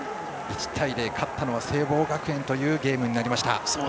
１対０勝ったのは聖望学園というゲームになりました。